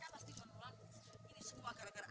kalau gua biarkan dukun wamaizah itu masuk dalam